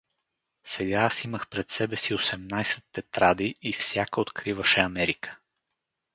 Сега аз имах пред себе си осемнайсет тетради и всяка откриваше Америка.